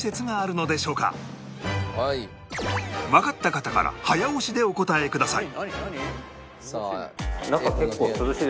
わかった方から早押しでお答えください